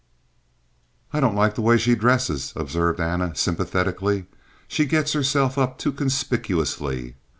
"I don't like the way she dresses," observed Anna, sympathetically. "She gets herself up too conspicuously.